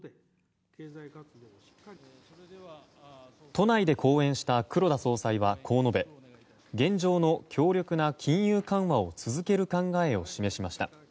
都内で講演した黒田総裁はこう述べ現状の強力な金融緩和を続ける考えを示しました。